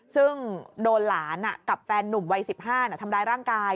ซึ่งโดนหลานกับแฟนนุ่มวัย๑๕ทำร้ายร่างกาย